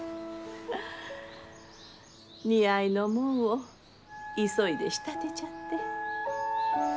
似合いのもんを急いで仕立てちゃって。